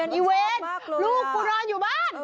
อีเวนลูกกูนอนอยู่บ้าน